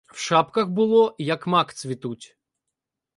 В шапках було, як мак цвітуть.